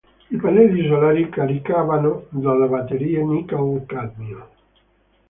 I pannelli solari caricavano delle batterie nichel-cadmio.